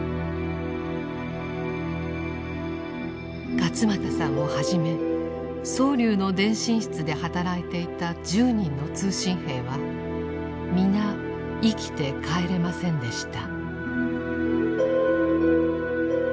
勝又さんをはじめ蒼龍の電信室で働いていた１０人の通信兵は皆生きて帰れませんでした。